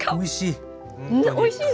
おいしい！